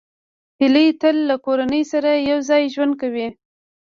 هیلۍ تل له کورنۍ سره یوځای ژوند کوي